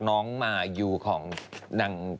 น้องมายูของนาง